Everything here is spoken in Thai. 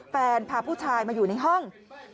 พาผู้ชายมาอยู่ในห้อง